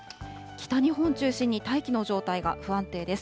北日本中心に大気の状態が不安定です。